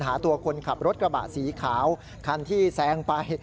หาตัวคนขับรถกระบะสีขาวคันที่แซงไป